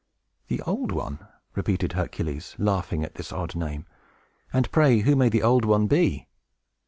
"The Old One!" repeated Hercules, laughing at this odd name. "And, pray, who may the Old One be?"